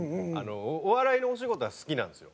お笑いのお仕事は好きなんですよ。